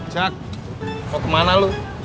jack mau kemana lo